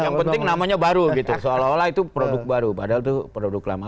yang penting namanya baru gitu seolah olah itu produk baru padahal itu produk lama